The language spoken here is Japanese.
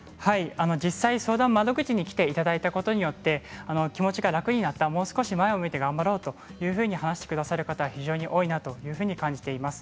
実際、相談窓口に来ていただいたことによって気持ちが楽になったもう少し前を向いて頑張ろうというふうに話してくださる方非常に多いなと感じています。